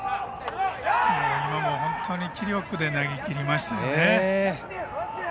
今も気力で投げきりましたね。